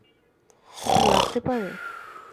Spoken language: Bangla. এটা লাগতে পারে?